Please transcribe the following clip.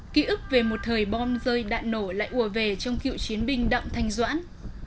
ký ức về một thời bom rơi đạn nổ lại ùa về trong cựu chiến binh đặng thanh doãn